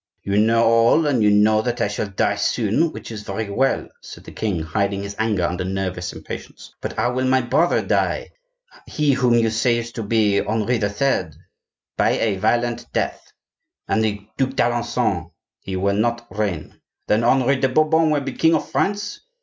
"You know all, and you know that I shall die soon, which is very well," said the king, hiding his anger under nervous impatience; "but how will my brother die,—he whom you say is to be Henri III.?" "By a violent death." "And the Duc d'Alencon?" "He will not reign." "Then Henri de Bourbon will be king of France?"